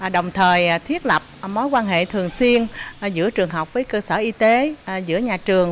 đồng thời thiết lập mối quan hệ thường xuyên giữa trường học với cơ sở y tế giữa nhà trường